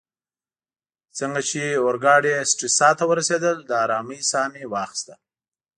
څنګه چي اورګاډې سټریسا ته ورسیدل، د آرامۍ ساه مې واخیسته.